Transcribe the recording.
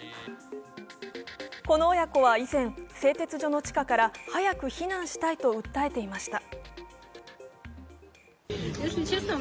この親子は以前、製鉄所の地下から早く避難したいと訴えていました。